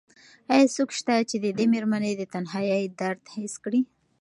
ایا څوک شته چې د دې مېرمنې د تنهایۍ درد حس کړي؟